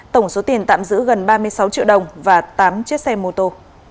tổng số tiền tạm giữ gần ba mươi sáu triệu đồng và tám chiếc xe mô tô